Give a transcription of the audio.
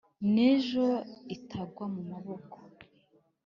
n’ ejo itagwa mu maboko.